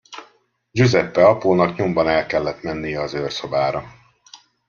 Giuseppe apónak nyomban el kellett mennie az őrszobára.